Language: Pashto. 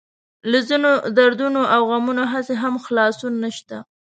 له ځينو دردونو او غمونو هسې هم خلاصون نشته.